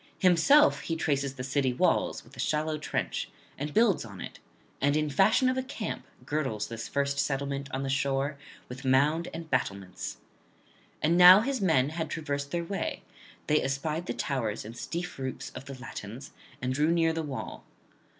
Himself he traces the city walls with a shallow trench, and builds on it; and in fashion of a camp girdles this first settlement on the shore with mound and battlements. And now his men had traversed their way; they espied the towers and steep roofs of the Latins, and drew near the wall.